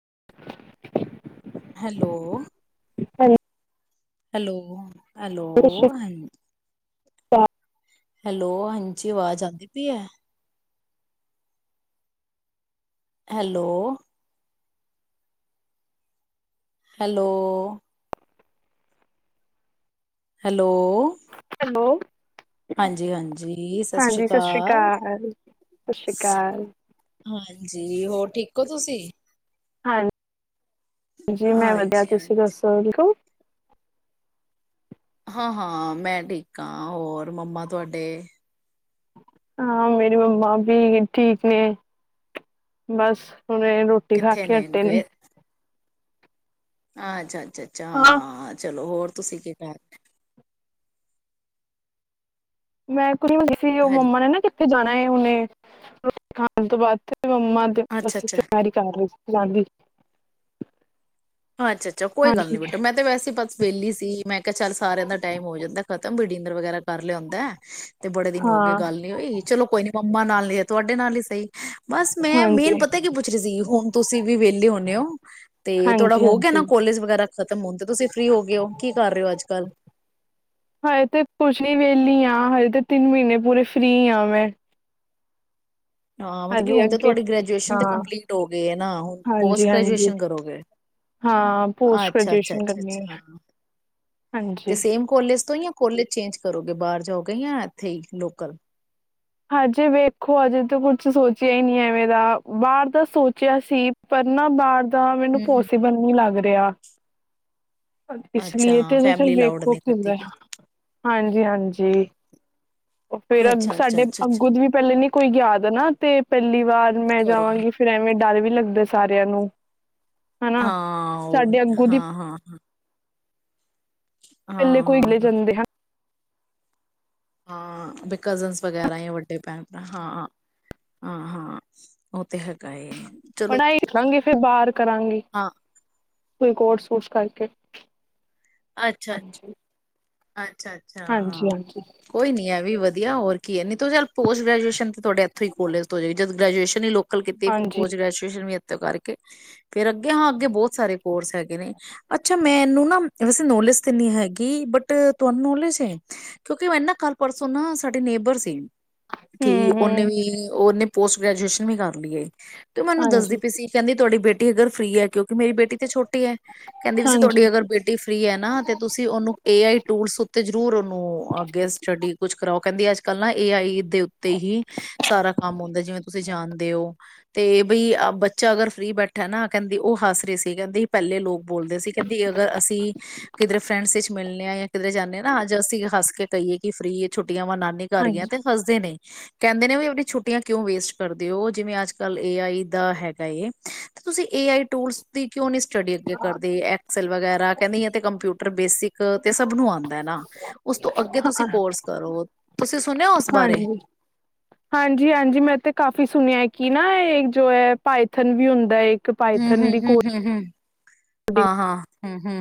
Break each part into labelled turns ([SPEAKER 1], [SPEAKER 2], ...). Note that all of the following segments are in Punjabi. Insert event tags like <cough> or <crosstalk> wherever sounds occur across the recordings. [SPEAKER 1] <unintelligible>
[SPEAKER 2] ਹੈਲੋ,
[SPEAKER 1] ਹੈ
[SPEAKER 2] ਹੈਲੋ, ਹੈਲੋ ਹਾਂਜੀ,
[SPEAKER 1] ਤਾਂ,
[SPEAKER 2] ਹੈਲੋ, ਹਾਂਜੀ ਆਵਾਜ਼ ਆਦੀ ਪਈ ਐ। ਹੈਲੋ, ਹੈਲੋ, ਹੈਲੋ,
[SPEAKER 1] ਹੈਲੋ,
[SPEAKER 2] ਹਾਂਜੀ-ਹਾਂਜੀ ਸਤਿ ਸ੍ਰੀ
[SPEAKER 1] ਹਾਂਜੀ ਸ਼੍ਰੀ
[SPEAKER 2] ਅਕਾਲ
[SPEAKER 1] ਸਤਿ ਸ਼੍ਰੀ ਅਕਾਲ
[SPEAKER 2] ਹਾਂਜੀ, ਹੋਰ ਠੀਕ ਹੋ ਤੁਸੀਂ?
[SPEAKER 1] ਹਾਂਜੀ, ਜੀ ਮੈਂ ਵਧੀਆ
[SPEAKER 2] ਹਾਂਜੀ
[SPEAKER 1] ਤੁਸੀਂ
[SPEAKER 2] ਹਾਂਜੀ
[SPEAKER 1] ਦੱਸੋ, ਠੀਕ ਔ?
[SPEAKER 2] ਹਾਂ-ਹਾਂ ਮੈਂ ਠੀਕ ਆ ਹੋਰ ਮੰਮਾ ਤੁਹਾਡੇ
[SPEAKER 1] ਹਾਂ ਮੇਰੀ ਮੰਮਾ ਵੀ ਠੀਕ ਨੇ ਬਸ ਹੁਣੇ ਰੋਟੀ ਖਾ
[SPEAKER 2] ਕਿੱਥੇ
[SPEAKER 1] ਕੇ ਹਟੇ ਨੇ,
[SPEAKER 2] ਗਏ ਅੱਛਾ। ਅੱਛਾ ਅੱਛਾ ਹਾਂ ਚਲੋ ਹੋਰ ਤੁਸੀਂ ਕਿ ਕਰ
[SPEAKER 1] ਮੈਂ <unintelligible>
[SPEAKER 2] ਹੈਲੋ
[SPEAKER 1] ਮੰਮਾ ਨੇ ਨਾ ਕਿਥੇ ਜਾ ਨਹੀਂ ਹੁਣੇ ਰੋਟੀ ਖਾਣ ਤੋਂ ਬਾਅਦ। ਮੰਮਾ <unintelligible>
[SPEAKER 2] ਅੱਛਾ ਅੱਛਾ
[SPEAKER 1] ਤਿਆਰੀ ਕਰ ਕਰ ਰਹੇ ਲਾਗੀ
[SPEAKER 2] ਅੱਛਾ ਅੱਛਾ, ਕੋਈ ਗੱਲ ਨੀ ਬੇਟਾ ਮੈਂ ਤੇ ਵੈਸੇ ਬਸ ਵੇਹਲੀ ਸੀ ਮੈਂ ਕਿਹਾ ਚੱਲ ਸਾਰਿਆਂ ਦਾ ਟਾਈਮ ਹੋ ਜਾਂਦਾ ਖਤਮ ਬੇਟਾ ਡੀਨਰ ਵਗੈਰਾ ਕਰ ਲਿਆ ਹੁੰਦਾ। ਤੇ ਬੜੇ ਦਿਨ ਹੋ ਗਏ
[SPEAKER 1] ਹਾਂ
[SPEAKER 2] ਗੱਲ ਨੀ ਹੋਈ ਚਲੋ ਕੋਈ ਨੀ ਮੰਮਾ ਨਾਲ ਨੀ ਤੁਹਾਡੇ ਨਾਲ ਹੀ ਸੀ। ਬਸ ਮੈਂ
[SPEAKER 1] ਹਾਂਜੀ
[SPEAKER 2] ਮੇਨ ਪਤਾ ਕੀ ਪੁੱਛ ਰਹੀ ਸੀ ਹੁਣ ਤੁਸੀਂ ਵੀ ਵਿਹਲੇ ਹੁੰਨੇ ਓ ਤੇ
[SPEAKER 1] ਹਾਂਜੀ
[SPEAKER 2] ਹੋ ਗਿਆ
[SPEAKER 1] ਹਾਂਜੀ
[SPEAKER 2] ਨਾ ਕੋਲੇਜ ਵਗੈਰਾ ਖਤਮ ਹੋਣ ਤੇ ਤੁਸੀਂ ਫ੍ਰੀ ਹੋ ਗਏ ਹੋ, ਕੀ ਕਰ ਰਹੇ ਹੋ ਅੱਜ ਕੱਲ?
[SPEAKER 1] ਹਜੇ ਤੇ ਕੁਛ ਨੀ ਵਿਹਲੀ ਆ ਹਜੇ ਤਾਂ ਤਿੰਨ ਮਹੀਨੇ ਪੂਰੇ ਫ੍ਰਰੀ ਆ ਮੈਂ
[SPEAKER 2] ਹਾਂ, ਮਤਲਬ ਕਿ
[SPEAKER 1] ਹਜੇ
[SPEAKER 2] ਹੁਣ
[SPEAKER 1] ਅੱਗੇ
[SPEAKER 2] ਤੁਹਾਡੀ ਗ੍ਰਜੂਏਸ਼ਨ
[SPEAKER 1] ਹਾਂ
[SPEAKER 2] ਕੰਪਲੀਟ ਹੋਗੀ ਐ ਨਾ, ਹੁਣ
[SPEAKER 1] ਹਾਂਜੀ
[SPEAKER 2] ਪੋਸਟ
[SPEAKER 1] ਹਾਂਜੀ
[SPEAKER 2] ਗ੍ਰਜੂਏਸ਼ਨ ਕਰੋਗੇ
[SPEAKER 1] ਹਾਂ ਪੋਸਟ
[SPEAKER 2] ਅੱਛਾ, ਅੱਛਾ
[SPEAKER 1] ਗ੍ਰੈਜੂਏਸ਼ਨ ਕਰਨੀ
[SPEAKER 2] ਆ
[SPEAKER 1] ਹੈ
[SPEAKER 2] ਤੇ
[SPEAKER 1] ਹਾਂਜੀ
[SPEAKER 2] ਸੇਮ ਕੋਲੇਜ ਤੋਂ ਹੀ ਆ ਕੋਲੇਜ ਚੇਂਜ ਕਰੋਗੇ ਬਾਹਰ ਜਾਓਗੇ ਜਾਂ ਇੱਥੇ ਹੀ ਲੋਕਲ।
[SPEAKER 1] ਹਜੇ ਵੇਖੋ ਹਜੇ ਤੇ ਕੁਛ ਸੋਚਿਆ ਹੀ ਨਹੀਂ ਹੈ, ਐਵੇ ਦਾ ਮੇਰਾ ਬਾਹਰ ਦਾ ਸੋਚਿਆ ਸੀ ਪਰ ਨਾ ਬਾਹਰ ਬਾਹਰ ਮੈਨੂੰ
[SPEAKER 2] ਹੂੰ ਹੂੰ
[SPEAKER 1] ਪੋਸੀਬਲ ਨਹੀ ਲੱਗ ਰੀ ਗਿਆ। ਇਸ ਲਈ ਤੇ ਹਜੇ ਵੇਖੋ ਕੀ ਹੁੰਦਾ ਹਾਂਜੀ, ਹਾਂਜੀ ਫੇਰ ਅ ਸਾਡੇ ਅੱਗੂ ਦੀ ਵੀ ਪਹਿਲੇ ਨੀ ਕੋਈ ਗਿਆ ਨਾ ਤੇ ਪਹਿਲੀ। ਬਾਅਦ ਮੈਂ ਜਾਵਾਂਗੀ ਫੇਰ ਐਵੇਂ ਡਰ ਵੀ ਲੱਗਦਾ ਸਾਰਿਆਂ ਨੂੰ ਹਨਾ
[SPEAKER 2] ਹਾਂ ਔ
[SPEAKER 1] ਸਾਡੇ ਅੱਗੋਂ ਦੀ
[SPEAKER 2] ਹਾਂ ਹਾਂ ਹਾਂ
[SPEAKER 1] ਪਹਿਲਾਂ ਕੋਈ ਵੈ ਜਾਂਦੇ ਹਾਂ।
[SPEAKER 2] ਹਾਂ, ਬਈ ਕਜ਼ਨਸ ਵਗੈਰਾ ਜਾ ਵੱਡੇ ਭੈਣ ਭਰਾ ਹਾਂ ਹਾਂ ਹਾਂ ਔ ਤੇ ਹੈਗਾ ਏ। ਚਲੋ
[SPEAKER 1] ਪੜ੍ਹਾਈ ਕਰੇਗੀ ਫਿਰ ਬਾਹਰ ਕਰਾਂਗੀ।
[SPEAKER 2] ਹਾਂ
[SPEAKER 1] ਕੋਈ ਕੋਰਸ ਕੁਰਸ ਕਰਕੇ।
[SPEAKER 2] ਅੱਛਾ ਅੱਛਾ।
[SPEAKER 1] ਹਾਂਜੀ
[SPEAKER 2] ਅੱਛਾ ਅੱਛਾ
[SPEAKER 1] ਹਾਂਜੀ ਹਾਂਜੀ
[SPEAKER 2] ਕੋਈ ਨੀ ਐ ਵੀ ਵਧ ਹੋਰ ਕੀ ਏ ਨਹੀਂ ਤੋਂ ਚੱਲ ਪੋਸਟ ਗੈ੍ਜੂਏਸ਼ਨ ਤੇ ਤੁਹਾਡੇ ਐਥੋਂ ਈ ਕੋਲੇਜ ਤੋਂ ਹੋ ਜੇਗੀ ਜਦ ਗ੍ਰੈਜੂਏਸ਼ਨ ਹੀ ਲੋ ਕਲਕੱਤੇ ਕੀਤੀ ਫੇਰ
[SPEAKER 1] ਹਾਂਜੀ
[SPEAKER 2] ਪੋਸਟ ਗ੍ਰੇਜੂਏਸ਼ਨ ਵੀ ਥੋ ਕਰਕੇ ਫੇਰ ਅੱਗੇ ਹਾਂ ਅੱਗੇ ਬੌਤ ਸਾਰੇ ਕੋਰਸ ਹੈਗੇ ਨੇ ਅੱਛਾ ਮੈਨੂੰ ਨਾ ਵੈਸੇ ਨੌਲੇਜ ਤੇ ਨੀ ਹੈਗੀ ਬਟ ਤੁਹਾਨੂੰ ਨੋਲੇਜ ਐ ਕਿਉਂਕਿ ਮੈਨ ਨਾ ਕੱਲ੍ਹ ਪਰਸੋਂ ਨਾ ਸਾਡੇ ਨੇਬਰ ਸੀ। ਕਿ ਔਨੇ
[SPEAKER 1] ਹੂੰ-ਹੂੰ,
[SPEAKER 2] ਵੀ ਔਨੇ ਪੋਸਟ ਗ੍ਰੈਜੂਏਸ਼ਨ ਵੀ ਕਰ ਲੀਏ। ਤੇ ਮੈਨੂੰ ਦੱਸਦੀ
[SPEAKER 1] ਹਾਂਜੀ,
[SPEAKER 2] ਪਈ ਸੀ ਕਹਿੰਦੀ, ਤੁਹਾਡੀ ਬੇਟੀ ਅਗਰ ਫ੍ਰੀ ਹੈ, ਕਿਓਂਕਿ ਮੇਰੀ ਬੇਟੀ ਤੇ ਛੋਟੀ ਹੈ। ਕਹਿੰਦੀ ਪਈ ਸੀ
[SPEAKER 1] ਹਾਂਜੀ,
[SPEAKER 2] ਤੁਹਾਡੀ ਅਗਰ ਬੇਟੀ ਫ੍ਰੀ ਹੈ ਨਾ ਤੇ ਤੁਸੀਂ ਔਨੂੰ ਏਂ ਆਈਂ ਟੂਰਸ ਉੱਤੇ ਜ਼ਰੂਰ ਉਹਨੂੰ ਅੱਗੇ ਸਟੱਡੀ ਕੁਝ ਕਰਾਓ ਕਹਿੰਦੀ ਅੱਜ। ਕੱਲ ਨਾ ਏਂ ਆਈਂ ਦੇ ਉੱਤੇ ਹੀ ਸਾਰਾ ਕੰਮ ਆਦਾ ਜਿਵੇਂ ਤੁਸੀਂ ਜਾਂਣਦੇ ਹੋ ਤੇ ਬਈ ਬੱਚਾ ਅਗਰ ਫਰੀ ਬੈਠਾਂ ਨਾ ਕਹਿੰਦੀ ਉਹ ਹੱਸ ਰਹੇਂ ਸੀ ਕਹਿੰਦੇ ਪਹਿਲੇ ਲੋਕ ਬੋਲਦੇ ਸੀ, ਕਹਿੰਦੀ ਅਗਰ ਅਸੀਂ ਕਿਧਰੇ ਫਰੈਂਡਸ ਵਿੱਚ ਮਿਲਣੇ ਆ ਜਾਂ ਕਿਧਰੇ ਜਾਂਨੇ ਆ ਨਾ ਅੱਜ਼ ਅਸੀਂ ਹੱਸ ਕੇ ਕਹੀਏ ਕਿ ਫ੍ਰੀ ਆ ਛੁੱਟ ਛੁੱਟੀਆਂ ਵਾਂ ਨਾਨੀ ਘਰ ਗਿਆਂ
[SPEAKER 1] ਹਾਂਜੀ,
[SPEAKER 2] ਤੇ ਹੱਸਦੇ ਨੇਂ। ਕਹਿੰਦੇ ਨੇਂ ਵੀ ਆਪਣੀਆਂ ਛੁੱਟੀਆਂ ਕਿਉਂ ਵੇਸਟ ਕਰਦੇਂ ਹੋ, ਜਿਵੇਂ ਅੱਜ ਕੱਲ੍ਹ ਏ ਆਈ ਦਾ ਹੈਗਾ ਏਂ ਤੇ ਤੁਸੀਂ ਏ ਆਈਂ ਟੂਰਸ ਦੀ ਕਿਉਂ ਨੀਂ ਸਟੱਡੀ ਅੱਗੇ ਕਰਦੇਂ ਐਕਸਲ ਵਗ਼ੈਰਾ ਕਹਿੰਦੀ ਏ ਤੇ ਕੰਪਿਊਟਰ ਬੇਸਿਕ ਉਹ ਤੇ ਸਭ ਨੂੰ ਆਦਾਂ ਹੈਂ, ਨਾਂ ਉਸ ਤੋਂ ਅੱਗੇ ਤੁਸੀਂ
[SPEAKER 1] ਹਾਂ
[SPEAKER 2] ਕੋਰਸ ਕਰੋ ਤੁਸੀਂ ਸੁਣਿਆਂ ਉਸ ਬਾਰੇ-
[SPEAKER 1] ਹਾਂਜੀ। ਹਾਂਜੀ-ਹਾਂਜੀ, ਤੇ ਕਾਫ਼ੀ ਮੈਂ ਕਿ ਨਾਂ ਇਹ ਇੱਕ ਜ਼ੋ ਇਹ ਪਾਇਥਨ ਵੀ ਹੁੰਦਾਂ ਐ।
[SPEAKER 2] ਹੂੰ-ਹੂੰ-ਹੂੰ-ਹੂੰ। ਹਾਂ-ਹਾਂ,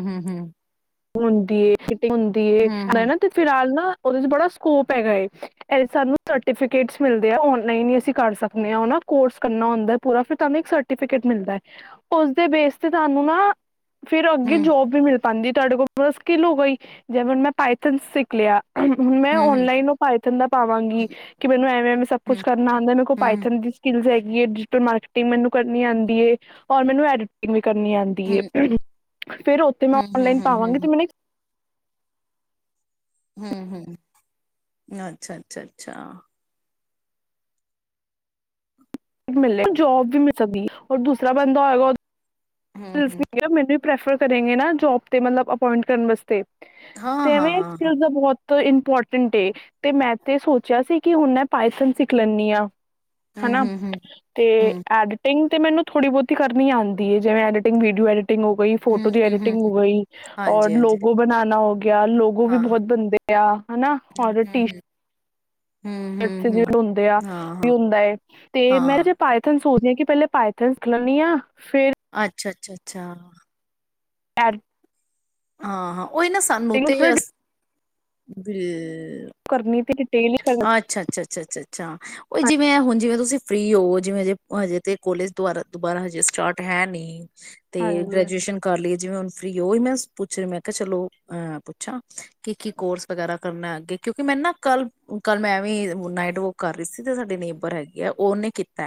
[SPEAKER 2] ਹੂੰ-ਹੂੰ-ਹੂੰ-ਹੂੰ।
[SPEAKER 1] ਹੁੰਦੀ ਸੀ। ਹੁੰਦੀ ਏ ਨੇਨਾ ਤੂੰ ਫ਼ਿਲਹਾਲ ਨਾਂ। ਓਦੇ ਚ ਬੜਾ ਸਕੋਪ ਹੇਗਾ ਏ, ਸਾਨੂੰ ਸਰਟੀਫਿਕੇਟਸ ਮਿਲ਼ਦੇ ਆ ਔਨਲਾਈਨ ਅਸੀਂ ਹੀ ਕਰ ਸਕਦੇ ਆ ੲੌ ਨਾ ਕੋਰਸ ਕਰਨਾ ਹੁੰਦਾ ਪੂਰਾ ਫਿਰ ਤੁਹਾਨੂੰ ਨਾ ਸਰਟੀਫਿਕੇਟ ਮਿਲ਼ਦਾ ਉਸ ਤੇ ਬੇਸ ਤੇ ਤੁਹਾਨੂੰ ਨਾਂ ਫ਼ਿਰ ਅੱਗੇ
[SPEAKER 2] ਹਮ
[SPEAKER 1] ਜੋਬ ਵੀ ਮਿਲ। ਪੰਜੀ <inaudible> ਤੁਹਾਡੇ ਕੋਲ ਮੁਸ਼ਕਿਲ ਹੋ ਗਈਂ ਜਬ ਮੈਂ ਪਾਇਥਨ ਸਿੱਖ ਲ਼ਿਆ। ਹੁਣ ਮੈਂ
[SPEAKER 2] ਹਮ ਹਮ
[SPEAKER 1] ਔਨਲਾਈਨ ਪਾਇਥਨ ਦਾ ਪਾਵਾਂਗੀ
[SPEAKER 2] ਹਮ
[SPEAKER 1] ਕਿ ਮੈਨੂੰ ਐਂਵੇਂ-ਐਂਵੇਂ ਸਭ ਕੁੱਛ
[SPEAKER 2] ਹਮ
[SPEAKER 1] ਕਰਨਾਂ ਆਦਾ ਮੇਰੇ ਕੋਲ਼
[SPEAKER 2] ਹਮ
[SPEAKER 1] ਪਾਇਥਨ ਦੀ ਸਕਿਲਸ ਹੈਗੀ। ਡਿਜੀਟਲ ਮਾਰਕੀਟਿੰਗ ਮੈਂਨੂੰ ਕਰਨੀਂ ਆਉਦੀ ਏ ਔਰ ਮੈਂਨੂੰ ਐਡਟਿੰਗ ਵੀ ਕਰਨੀ ਆਦੀ ਏ ਫਿਰ ਉਤੋਂ ਬਾਅਦ
[SPEAKER 2] ਹਮ
[SPEAKER 1] ਔਨਲਾਈਨ
[SPEAKER 2] ਹਮ
[SPEAKER 1] ਪਾਵਾਂਗੇ, ਤੇ ਮੈਨੂੰ
[SPEAKER 2] ਹੂੰ-ਹੂੰ, ਅੱਛਾ-ਅੱਛਾ-ਅੱਛਾ।
[SPEAKER 1] ਮਿਲੇ ਜੋਬ ਵੀ ਸਾਡੀਆਂ ਔਰ ਦੂਸਰਾਂ ਬੰਦਾ ਹੋਏਗਾ
[SPEAKER 2] ਹਮ
[SPEAKER 1] ਪਰੂਫ਼
[SPEAKER 2] ਹਮ
[SPEAKER 1] ਮਿਲਿਆ ਮੈਨੂੰ। ਪਰੈਫਰ ਕਰੇਂਗੇ ਨਾ, ਜੋਬ ਤੇ ਮੱਤਲਬ ਅਪੋਇੰਟ ਕਰਨ ਵਾਸਤੇ।
[SPEAKER 2] ਹਾਂ
[SPEAKER 1] ਤੇ
[SPEAKER 2] ਹਾਂ
[SPEAKER 1] ਐਂਵੇਂ
[SPEAKER 2] ਹਾਂ
[SPEAKER 1] ਸਕਿਲ ਦਾ ਬਹੁਤ। ਤੇ ਇੰਪੋਰਟੈਂਟ ਏ ਤੇ ਮੈਂ ਤੇ ਸੋਚਿਆਂ ਸੀ, ਕਿ ਹੁਣ ਮੈਂ ਪਾਇਸਨ ਸਿੱਖ ਲੈਨੀ ਆ।
[SPEAKER 2] ਹਮ
[SPEAKER 1] ਹਨਾ
[SPEAKER 2] ਹਮ ਹਮ
[SPEAKER 1] ਤੇ
[SPEAKER 2] ਹਮ
[SPEAKER 1] ਐਡੀਟਿੰਗ ਤੇ ਮੈਨੂੰ ਥੋੜ੍ਹੀ ਬਹੁਤੀ ਕਰਨੀਂ ਆਂਦੀ ਹੈਂ ਜਿਵੇਂ ਐਡਟਿੰਗ ਵੀਡੀਓ ਐਡਿਟ। ਪਿੰਨ ਹੋ ਗਈ, ਫ਼ੋਟੋ
[SPEAKER 2] ਹਮ
[SPEAKER 1] ਦੀ
[SPEAKER 2] ਹਮ ਹਮ
[SPEAKER 1] ਐਡਿਟਿੰਗ ਹੋ ਗਈ, ਔਰ
[SPEAKER 2] ਹਾਂਜੀ ਹਾਂਜੀ
[SPEAKER 1] ਲੋਗੋਂ ਬਨਾਨਾ ਹੋ ਗਿਆਂ। ਯਾਰ ਲੋਗੋ ਵੀ
[SPEAKER 2] ਹਾਂ ਹਾਂ
[SPEAKER 1] ਬਹੁਤ ਦਿਆ ਹੈਨਾ
[SPEAKER 2] ਹੂੰ
[SPEAKER 1] ਟੀ ਸਰ
[SPEAKER 2] ਹੂੰ ਹੂੰ ਹੂੰ
[SPEAKER 1] ਏਥੇ ਜੇ
[SPEAKER 2] ਹੂੰ
[SPEAKER 1] ਹੁੰਦੇ ਆ
[SPEAKER 2] ਹਾਂ
[SPEAKER 1] ਵੀ
[SPEAKER 2] ਹਾਂ
[SPEAKER 1] ਹੁੰਦਾ ਤੇ ਮੈਂ
[SPEAKER 2] ਹਾਂ
[SPEAKER 1] ਜੇ ਪਾਇਥਣ ਸੋਚਦੇ ਹਾਂ ਕਿ ਪਹਿਲੇ ਪਾਇਥਨ ਸਿੱਖ ਲੈਣੀਂ ਆ ਫੇਰ
[SPEAKER 2] ਅੱਛਾ- ਅੱਛਾ- ਅੱਛਾ।
[SPEAKER 1] ਏਢ
[SPEAKER 2] ਹਾਂ-ਹਾਂ। ਉਹਹੀ ਨਾ ਸਾਨੂੰ ਤੇ ਅ
[SPEAKER 1] ਕਰਨੀ ਤੇ ਡਿਟੇਲ ਕਰਨਾ
[SPEAKER 2] ਅੱਛਾ- ਅੱਛਾ -ਅੱਛਾ -ਅੱਛਾ -ਅੱਛਾ, ਉਹ ਜਿਵੇਂ ਹੁਣ ਜਿਵੇਂ ਤੁਸੀਂ ਫਰੀ ਹੋ ਜਿਵੇਂ ਹਜੇ- ਹਜੇ ਤੇ ਕੋਲੇਜ ਦੁਬਾਰਾ-ਦੁਬਾਰਾ ਹਜੇ ਸਟਾਰਟ ਹੈ ਨਹੀਂ। ਤੇ
[SPEAKER 1] ਹਾਂਜੀ
[SPEAKER 2] ਗ੍ਰੈਜੂਏਸ਼ਨ ਕਰ ਲਈਏ ਜਿਵੇਂ ਹੁਣ ਫਰੀ ਉਹੀ ਮੈਂ ਪੁੱਛ ਰਹੀ ਮੈਂ ਕਿਹਾ ਚਲੋ, ਅਹ ਪੁੱਛਾਂ ਕਿ- ਕੀ ਕੋਰਸ ਵਗੈਰਾ ਕਰਨਾ ਅੱਗੇ ਕਿਉਂਕਿ ਮੈਂ ਨਾ ਕੱਲ ਕੱਲ ਮੈਂ ਏਵੀ ਨਾਈਟ ਵਾਕ ਕਰ ਰਹੀ ਸੀ। ਜਿੱਥੇ ਸਾਢੀ ਨੇਬਰ ਹੈਗੀਆ। ਉਹਨੇ ਕੀਤਾ।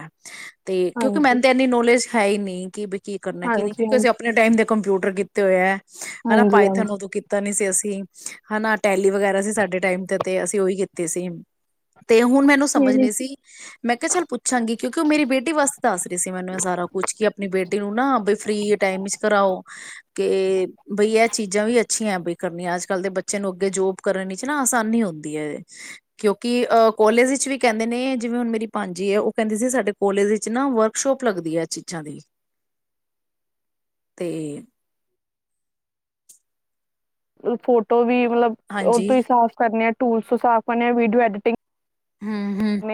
[SPEAKER 2] ਤੇ ਕਿਉਂਕਿ ਮੈਨ
[SPEAKER 1] ਹਾਂਜੀ
[SPEAKER 2] ਤੇ ਇੰਨੀ ਨੋਲੇਜ ਹੈ ਹੀ ਨਹੀਂ ਕਿਪਿ ਕੀ ਕਰਨਾ ਕੀ ਨਹੀਂ,
[SPEAKER 1] ਹਾਂਜੀ
[SPEAKER 2] ਕਿਉਂਕਿ ਅਸੀਂ ਆਪਣੇ ਟਾਈਮ ਦੇ ਕੰਪਿਊਟਰ ਕੀਤੇ ਹੋਏ ਹੈ। ਹੈਨਾ
[SPEAKER 1] ਹਾਂਜੀ
[SPEAKER 2] ਪਾਈਥਨ
[SPEAKER 1] ਹਾਂਜੀ
[SPEAKER 2] ਉਦੋਂ ਕੀਤਾ ਨੀ ਸੀ ਅਸੀਂ। ਹੈਨਾ ਟੈਲੀ ਵਗੈਰਾ ਸੀ ਸਾਡੇ ਟਾਈਮ ਤੇ, ਤੇ ਅਸੀਂ ਉਹੀ ਕੀ ਤੇ ਸੇਮ। ਤੇ ਹੁਣ ਮੈਨੂੰ ਸਮਝ
[SPEAKER 1] ਹਾਂਜੀ
[SPEAKER 2] ਨਹੀਂ ਸੀ, ਮੈਂ ਕਿਹਾ ਚੱਲ ਪੁੱਛਾਂਗੀ ਕਿਉਂਕਿ ਉਹ ਮੇਰੀ ਬੇਟੀ ਵਾਸਤੇ ਦੱਸ ਰਹੀ ਸੀ ਮੈਨੂੰ ਇਹ ਸਾਰਾ ਕੁਛ ਕਿ ਆਪਣੀ ਬੇਟੀ ਇਨੂੰ ਨਾ ਬਈ ਫਰੀ ਟਾਈਮ ਚ ਕਰਾਓ ਕੇ ਬਈ ਇਹ ਚੀਜ਼ਾਂ ਵੀ ਅੱਛੀਆਂ ਬਈ ਕਰਨੀਆਂ, ਅੱਜ-ਕੱਲ ਦੇ ਬੱਚੇ ਨੂੰ ਅੱਗੇ ਜੋਬ ਕਰਨ ਵਿੱਚ ਨਾ ਆਸਾਨੀ ਹੁੰਦੀ ਹੈ। ਕਿਉਂਕਿ ਅਹ ਕੋਲੇਜ ਵਿੱਚ ਵੀ ਕਹਿੰਦੇ ਨੇ ਜਿਵੇਂ ਹੁਣ ਮੇਰੀ ਭਾਂਜੀ ਹੈ ਉਹ ਕਹਿੰਦੇ ਸੀ, ਸਾਡੇ ਕੋਲੇਜ ਵਿੱਚ ਨਾ ਵਰਕਸ਼ੋਪ ਲੱਗਦੀ ਹੈ ਚੀਜ਼ਾਂ ਦੀ ਤੇ
[SPEAKER 1] ਫੋਟੋ ਵੀ ਮਤਲਬ ਉਹ
[SPEAKER 2] ਹਾਂਜੀ
[SPEAKER 1] ਤੋਂ ਹੀ ਸਾਫ਼ ਕਰਨੇ ਆ ਉਹ ਸਾਫ਼ ਬਣਿਆ ਵੀਡੀਓ ਐਡੀਟਿੰਗ
[SPEAKER 2] ਹਮ ਹਮ
[SPEAKER 1] ਕਰਨੇ ਆ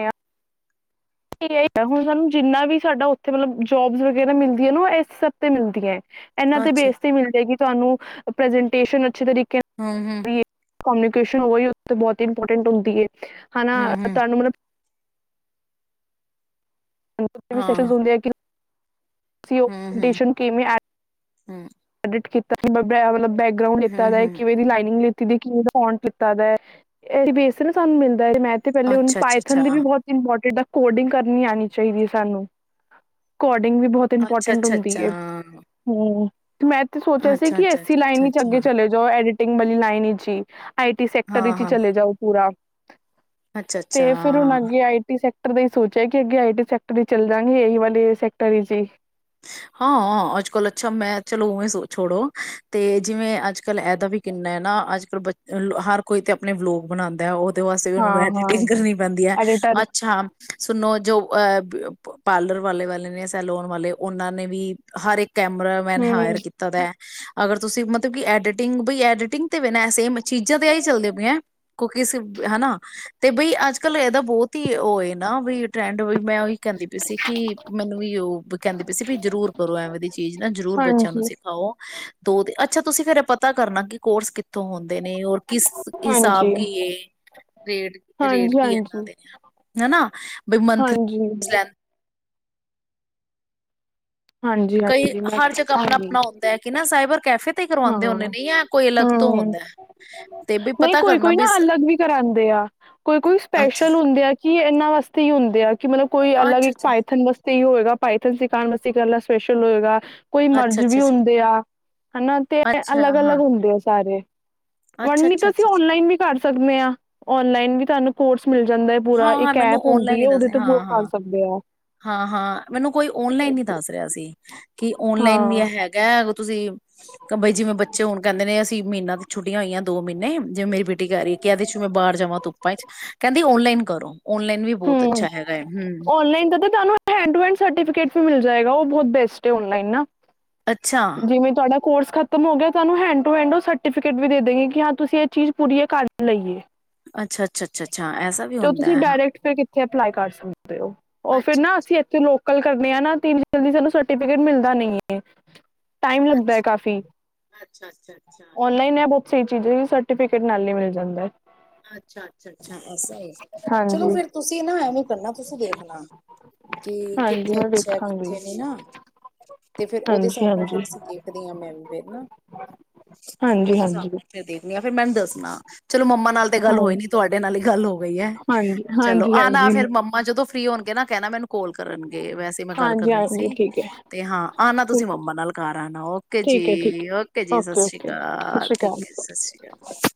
[SPEAKER 1] ਹੁਣ ਸਾਨੂੰ ਜਿੰਨਾ ਵੀ ਸਾਡਾ ਉੱਥੇ ਮਤਲਬ ਜੋਬਸ ਵਗੈਰਾ ਮਿਲਦੀਆਂ ਨਾ ਇਸ ਸਬ ਤੇ ਮਿਲਦੀਆਂ ਇਹਨਾਂ ਤੇ
[SPEAKER 2] ਅੱਛਾ
[SPEAKER 1] ਬੇਸ ਤੇ ਮਿਲ ਜਾਏਗੀ। ਤੁਾਨੂੰ ਪ੍ਰੇਸੇਂਟ ਟੇਸ਼ਨ ਅੱਛੇ ਤਰੀਕੇ
[SPEAKER 2] ਹਮ ਹਮ
[SPEAKER 1] ਨਾਲ ਕਮਿਊਨੀਕੇਸ਼ਨ ਉਹਹੀ ਉ ਬਹੁਤ ਇੰਪੋਰਟੈਂਟ ਹੁੰਦੀ ਹੈ ਹਨਾ
[SPEAKER 2] ਹਮ ਹਮ
[SPEAKER 1] ਤੁਹਾਨੂੰ ਮਤਲਬ ਨਿਊ ਸੈਸ਼ਨ
[SPEAKER 2] ਹਾਂ
[SPEAKER 1] ਹੁੰਦੇ ਆ ਕਿ?
[SPEAKER 2] ਹਮ ਹਮ
[SPEAKER 1] ਐਡੀਸ਼ਨ ਕਿਵੇ
[SPEAKER 2] ਹਮ
[SPEAKER 1] ਐਡਿਤ ਕੀਤਾ <unintelligible> ਗਾਊਨ ਲੀਤਾ
[SPEAKER 2] ਹਮ
[SPEAKER 1] ਦਾ ਏ
[SPEAKER 2] ਹਮ
[SPEAKER 1] ਕਿਵੇਂ ਲਾਈਨਿੰਗ ਲਿ ਕਿਵੇਂ ਦਾ ਫੋਂਟ ਲਿੱਤਾ ਦਾ, ਇਹ ਬੇਸ ਸਾਨੂੰ ਮਿਲ ਮੈਂ ਤੇ ਪਹਿਲੇ ਉਹਨੂੰ
[SPEAKER 2] ਅੱਛਾ ਅੱਛਾ
[SPEAKER 1] ਪਾਇਥਨ ਦੀ ਵੀ ਬਹੁਤ ਇੰਪੋਰਟੈਂਟ ਕੋਡਿੰਗ ਕਰਨੀ ਆਨੀ ਚਾਹੀਦੀ ਹੈ ਸਾਨੂੰ ਕੋਡ ਵੀ ਬਹੁਤ
[SPEAKER 2] ਅੱਛਾ
[SPEAKER 1] ਇੰਪੋਰਟੈਂਟ
[SPEAKER 2] ਅੱਛਾ
[SPEAKER 1] ਹੁੰਦੀ ਹੈ ਹ। ਮੈਂ ਤੇ ਸੋਚਿਆ ਸੀ
[SPEAKER 2] ਅੱਛਾ ਅੱਛਾ ਅੱਛਾ ਅੱਛਾ
[SPEAKER 1] ਕਿ ਇਸੀ
[SPEAKER 2] ਅੱਛਾ
[SPEAKER 1] ਲਾਈਨ
[SPEAKER 2] ਅੱਛਾ
[SPEAKER 1] ਵਿੱਚ
[SPEAKER 2] ਅੱਛਾ
[SPEAKER 1] ਅੱਗੇ ਚਲੇ ਜਾਓ ਐਡੀਟ ਵਲੀ ਲਾਈਨ ਇਚ ਹੀ। ਆਈਟੀ ਸੈਕਟਰ
[SPEAKER 2] ਹਾਂ
[SPEAKER 1] ਵਿੱਚ ਹੀ
[SPEAKER 2] ਹਾਂ
[SPEAKER 1] ਚਲੇ ਜਾਓ ਪੂਰਾ।
[SPEAKER 2] ਅੱਛਾ
[SPEAKER 1] ਤੇ ਫਿਰ ਹੁਣ
[SPEAKER 2] ਅੱਛਾ
[SPEAKER 1] ਅਗੇ ਆਈ ਟੀ ਸੇਕ ਦੇ ਸੋਚਿਆ ਕਿ ਅੱਗੇ ਆਈ ਟੀ ਸੈਕਟਰ ਇਚ ਚੱਲ ਜਾਗੇ ਇਹੀ ਵਾਲੇ ਸੈਕਟਰ ਇਚ ਹੀ।
[SPEAKER 2] ਹਾਂ ਅੱਜ ਕੱਲ ਅੱਛਾ ਮੈਂ ਚਲੋ ਉਵੇਂ ਛੋੜੋ ਤੇ ਜਿਵੇਂ ਅੱਜ ਕੱਲ ਇਹਦਾ ਵੀ ਕਿੰਨਾ ਹੈ ਨਾ ਅੱਜ ਕੱਲ ਬ ਹਰ ਕੋਈ ਤੇ ਆਪਣੇ ਵਲੋਗ ਬਣਾਉਂਦਾ ਹੈ ਉਹ ਵਾਸਤੇ ਵੀ ਉਹਨੂੰ
[SPEAKER 1] ਹਾਂ-ਹਾਂ,
[SPEAKER 2] ਐਡਟਿੰਗ ਕਰਨੀ ਪੈਂਦੀ ਹੈ
[SPEAKER 1] ਐਡੀਟਰ
[SPEAKER 2] ਅੱਛਾ ਸੁਨੋ ਜੋ ਪਾਰਲਰ ਵਾਲੇ-ਵਾਲੇ ਨੇ ਸੈਲੋਨ ਵਾਲੇ ਉਹਨਾਂ ਨੇ ਵੀ ਹਰ ਇੱਕ ਕੈਮਰਾਮੈਨ
[SPEAKER 1] ਹੂੰ,
[SPEAKER 2] ਹਾਇਰ ਕੀਤਾ ਦਾ। ਅਗਰ ਤੁਸੀਂ ਮਤਲਬ ਕਿ ਐਡੀਟਿੰਗ ਬਈ ਐਡੀਟਿੰਗ ਤੇ ਵੇ ਨਾ ਸੇਮ ਚੀਜ਼ਾਂ ਤੇ ਆ ਹੀ ਚਲਦੀ ਪਈ ਐ, ਕੋ ਕਿਸ ਹਨਾ ਤੇ ਬਈ ਅੱਜ ਕੱਲ ਇਹਦਾ ਬਹੁਤ ਉਹਏ ਨਾ ਵੀ ਟਰੈਂਡ ਮੈਂ ਉਹੀ ਕਹਿੰਦੀ ਪਈ ਸੀ ਕਿ ਮੈਨੂੰ ਵੀ ਉਹ ਸੀ ਵੀ ਜ਼ਰੂਰ ਕਰੋ ਐਵੇਂ ਦੀ ਚੀਜ਼ ਨਾ ਜ਼ਰੂਰ ਬੱਚਿਆਂ ਨੂੰ
[SPEAKER 1] ਹਾਂਜੀ,
[SPEAKER 2] ਸਿਖਾਓ ਦੋ ਅੱਛਾ ਤੁਸੀਂ ਫੇਰ ਇਹ ਪਤਾ ਕਰਨਾ ਕਿ ਕੋਰਸ ਕਿੱ ਹੁੰਦੇ ਨੇ ਔਰ ਕਿਸ ਹਿਸਾਬ
[SPEAKER 1] ਹਾਂਜੀ,
[SPEAKER 2] ਕੀ ਐ ਰੇਟ, ਰੇਟ
[SPEAKER 1] ਹਾਂਜੀ,
[SPEAKER 2] ਕੀ ਇਹਨਾਂ
[SPEAKER 1] ਹਾਂਜੀ,
[SPEAKER 2] ਦੇ ਹਨਾ ਬਈ
[SPEAKER 1] ਹਾਂਜੀ,
[SPEAKER 2] ਮੰਥਲੀ ਲੈਂ ਕਈ
[SPEAKER 1] ਹਾਂਜੀ-ਹਾਂਜੀ ਮੈਂ
[SPEAKER 2] ਹਰ ਜਗ੍ਹਾ ਆਪਣਾ
[SPEAKER 1] ਪੁੱਛਾਂਗੀ
[SPEAKER 2] ਆਪਣਾ ਹੁੰਦਾ ਹੈ ਕਿ ਨਾ ਸਾਈਬਰ ਕੈਫੇ ਤੇ ਕਰਵਾਉਂਦੇ ਹੁੰਦੇ
[SPEAKER 1] ਹਾਂ
[SPEAKER 2] ਨੇ ਜਾਂ ਕੋਈ ਅਲੱਗ ਤੋਂ
[SPEAKER 1] ਹੂੰ
[SPEAKER 2] ਹੁੰਦਾ ਹੈ? ਤੇ ਵੀ
[SPEAKER 1] ਨਹੀਂ
[SPEAKER 2] ਪਤਾ
[SPEAKER 1] ਕੋਈ,
[SPEAKER 2] ਕਰਨਾ
[SPEAKER 1] ਕੋਈ ਨਾ
[SPEAKER 2] ਸ-
[SPEAKER 1] ਅਲੱਗ ਵੀ ਕਰਾਦੇ ਆ ਕੋਈ ਕੋਈ
[SPEAKER 2] ਅੱਛਾ
[SPEAKER 1] ਸਪੈਸ਼ਲ ਹੁੰਦੇ ਆ ਕਿ ਇਹਨਾਂ ਵਾਸਤੇ ਹੀ ਹੁੰਦੇ ਆ ਕਿ ਮਤਲਬ ਕੋਈ ਅਲਗ
[SPEAKER 2] ਅੱਛਾ
[SPEAKER 1] ਇੱਕ
[SPEAKER 2] ਅੱਛਾ
[SPEAKER 1] ਪਾਇਥਨ ਵਸਤ ਤੇ ਹੀ ਹੋਏਗਾ ਪਾਇਥਨ ਸਿਖਾਨ ਵਾਸ ਕੱਲਾ ਸਪੈਸ਼ਲ ਹੋਏਗਾ। ਕੋਈ
[SPEAKER 2] ਅੱਛਾ
[SPEAKER 1] ਮਰਜ਼ ਵੀ
[SPEAKER 2] ਅੱਛਾ ਅੱਛਾ
[SPEAKER 1] ਹੁੰਦੇ ਆ ਹਨਾ, ਤੇ
[SPEAKER 2] ਅੱਛਾ ਹਾਂ
[SPEAKER 1] ਅਲਗ-ਅਲਗ ਹੁੰਦੇ ਆ ਸਾਰੇ।
[SPEAKER 2] ਅੱਛਾ
[SPEAKER 1] ਵੜਨੀ ਤਾਂ
[SPEAKER 2] ਅੱਛਾ
[SPEAKER 1] ਅਸੀਂ
[SPEAKER 2] ਅੱਛਾ
[SPEAKER 1] ਔਨਲਾਈਨ ਵੀ ਕਰ ਸਕਦੇ ਹਾਂ ਔਨਲਾਈਨ ਵੀ ਸਾਨੂੰ ਕੋਰਸ ਮਿਲ ਜਾਂਦਾ ਹੈ ਪੂਰਾ
[SPEAKER 2] ਹਾਂ-ਹਾਂ
[SPEAKER 1] ਇੱਕ
[SPEAKER 2] ਮੈਨੂੰ
[SPEAKER 1] ਐਪ
[SPEAKER 2] ਔਨਲਾਈਨ
[SPEAKER 1] ਹੁੰਦੀ
[SPEAKER 2] ਹੀ
[SPEAKER 1] ਹੈ ਉਹਦੇ
[SPEAKER 2] ਦੱਸਿਆ
[SPEAKER 1] ਤੋਂ ਪੂਰਾ
[SPEAKER 2] ਹਾਂ-ਹਾਂ,
[SPEAKER 1] ਕਰ ਸਕਦੇ ਆ।
[SPEAKER 2] ਹਾਂ-ਹਾਂ, ਮੈਨੂੰ ਕੋਈ ਔਨਲਾਈਨ ਦੱਸ ਰਿਹਾ ਸੀ ਕਿ ਔਨਲਾਈਨ ਵੀ
[SPEAKER 1] ਹਾਂ,
[SPEAKER 2] ਹੈਗਾ। ਤੁਸੀਂ ਬਈ ਜਿਵੇਂ ਬੱਚੇ ਹੁਣ ਕਹਿੰਦੇ ਨੇ ਅਸੀਂ ਮਹੀਨਾ ਤੇ ਛੁੱਟੀਆਂ ਹੋਈਆਂ ਦੋ ਮਹੀਨੇ ਜਿਵੇਂ ਮੇਰੀ ਬੇਟੀ ਕਹਿ ਰਹੀਏ ਕਹਿਦੇ ਮੈਂ ਬਾਹਰ ਜਾਵਾਂ ਧੁੱਪਾ ਚ ਕਹਿੰਦੀ ਔਨਲਾਈਨ ਕਰੋ। ਔਨਲਾਈਨ ਵੀ ਬਹੁਤ
[SPEAKER 1] ਹੂੰ
[SPEAKER 2] ਅੱਛਾ ਹੈਗਾ ਹੈ ਹੂੰ,
[SPEAKER 1] ਔਨਲਾਈਨ ਦਾ ਤਾਂ ਤੁਹਾਨੂੰ ਹੈਂਡ ਟੂ ਹੈਂਡ ਸਰਟੀਫਿਕੇਟ ਵੀ ਮਿਲ ਜਾਏਗਾ, ਬਹੁਤ ਬੈਸਟ ਔਨਲਾਈਨ ਨਾ
[SPEAKER 2] ਅੱਛਾ,
[SPEAKER 1] ਜਿਵੇਂ ਤੁਹਾਡਾ ਕੋਰਸ ਖਤਮ ਹੋ ਗਿਆ ਤੁਹਾਨੂੰ ਹੈਂਡ ਟੂ ਹੈਂਡ ਉਹ ਸਰਟੀਫਿਕੇਟ ਵੀ ਦੇਦੇਗੇ ਕਿ ਹਾਂ ਤੁਸੀਂ ਇਹ ਚੀਜ਼ ਪੂਰੀ ਕਰ ਲਈਏ।
[SPEAKER 2] ਅੱਛਾ-ਅੱਛਾ-ਅੱਛਾ-ਅੱਛਾ, ਐਸਾ ਵੀ
[SPEAKER 1] ਤੇ ਉਹ
[SPEAKER 2] ਹੁੰਦਾ
[SPEAKER 1] ਤੁਸੀਂ
[SPEAKER 2] ਹੈ ਹਾਂ।
[SPEAKER 1] ਡਾਇਰੈਕਟ ਕਿੱਥੇ ਅਪਲਾਈ ਕਰ ਸਕਦੇ। ਉਹ ਫੇਰ ਨਾ
[SPEAKER 2] ਅੱਛਾ-ਅੱਛਾ,
[SPEAKER 1] ਅਸੀਂ ਇੱਥੇ ਲੋਕ ਗੱਲ ਕਰਦੇ ਆ ਨਾ ਐਨੀ ਜਲਦੀ ਸਾਨੂੰ ਸਰਟੀਫਿਕੇਟ ਮਿਲਦਾ ਨੀ ਹੈ। ਟਾਈਮ ਲੱਗਦਾ ਐ ਕਾਫੀ
[SPEAKER 2] ਅੱਛਾ-ਅੱਛਾ-ਅੱਛਾ,
[SPEAKER 1] ਔਨਲਾਈਨ ਐ ਬਹੁਤ ਸਹੀ ਚੀਜ਼ਾਂ ਸਰਟੀਫਿਕੇਟ ਨਾਲ ਹੀ ਮਿਲ ਜਾਂਦਾ ਹੈ।
[SPEAKER 2] ਅੱਛਾ-ਅੱਛਾ, ਸਹੀ ਚਲੋ
[SPEAKER 1] ਹਾਂਜੀ
[SPEAKER 2] ਫਿਰ ਤੁਸੀਂ ਨਾ ਐਵੇਂ ਕਰਨਾ ਤੁਸੀਂ ਦੇਖਣਾ ਕਿ
[SPEAKER 1] ਹਾਂਜੀ
[SPEAKER 2] ਕਿੱਥੇ
[SPEAKER 1] ਮੈਂ
[SPEAKER 2] ਅੱਛਾ
[SPEAKER 1] ਵੇਖਾਂਗੀ
[SPEAKER 2] ਕਿੱਥੇ ਨਈ ਨਾ ਤੇ ਫਿਰ ਉਹਦੇ
[SPEAKER 1] ਹਾਂਜੀ
[SPEAKER 2] ਹਿਸਾਬ ਨਾਲ ਫਿਰ
[SPEAKER 1] ਹਾਂਜੀ
[SPEAKER 2] ਅਸੀਂ ਦੇਖਦੇ ਹਾਂ ਮੈਂ ਵੀ ਫਿਰ ਨਾ
[SPEAKER 1] ਹਾਂਜੀ
[SPEAKER 2] ਉਹਦੇ ਹਿਸਾਬ
[SPEAKER 1] ਹਾਂਜੀ
[SPEAKER 2] ਨਾਲ ਫਿਰ ਦੇਖਦੀ ਹਾਂ। ਫਿਰ ਮੈਨੂੰ ਦੱਸਣਾ ਚਲੋ ਮੰਮਾ, ਤੇ ਗੱਲ
[SPEAKER 1] ਹਾਂ
[SPEAKER 2] ਹੋਈ, ਨੀ ਤੁਹਾਡੇ ਨਾਲ ਹੀ ਗੱਲ ਹੋ ਗਈ ਹੈ
[SPEAKER 1] ਹਾਂਜੀ
[SPEAKER 2] ਚਲੋ
[SPEAKER 1] ਹਾਂਜੀ
[SPEAKER 2] ਆਨਾ
[SPEAKER 1] ਹਾਂਜੀ
[SPEAKER 2] ਫੇਰ ਮੰਮਾ ਜਦੋਂ ਫਰੀ ਹੋਣਗੇ ਨਾ ਕਹਿਣਾ ਮੈਨੂੰ ਕੋਲ ਕਰਨਗੇ ਵੈਸੇ ਮੈਂ ਗੱਲ
[SPEAKER 1] ਹਾਂਜੀ
[SPEAKER 2] ਕਰਹੀ
[SPEAKER 1] ਹਾਂਜੀ
[SPEAKER 2] ਸੀ
[SPEAKER 1] ਠੀਕ ਹੈ
[SPEAKER 2] ਤੇ ਹਾਂ ਆ ਨਾ ਤੁਸੀਂ
[SPEAKER 1] ਠੀਕ ਹੈ
[SPEAKER 2] ਮੰਮਾ ਨਾਲ ਘਰ ਆਣਾ, ਓਕੇ
[SPEAKER 1] ਠੀਕ ਹੈ ਠੀਕ
[SPEAKER 2] ਜੀ ਓਕੇ
[SPEAKER 1] ਹੈ
[SPEAKER 2] ਜੀ ਸਤਿ ਸ਼੍ਰੀ
[SPEAKER 1] ਓਕੇ ਸਤਿ
[SPEAKER 2] ਅਕਾਲ
[SPEAKER 1] ਸ਼੍ਰੀ
[SPEAKER 2] ਠੀਕ ਹੈ, ਜੀ ਸਤਿ ਸ਼੍ਰੀ ਅਕਾਲ।